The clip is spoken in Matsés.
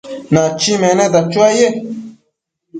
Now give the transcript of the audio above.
Nachi meneta chuaye